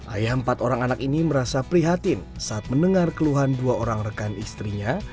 ayah empat orang anak ini merasa prihatin saat mendengar keluhan dua orang rekan istrinya